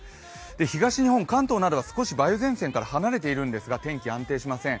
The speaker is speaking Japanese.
東日本、関東などは少し梅雨前線から離れているんですが天気、安定しません。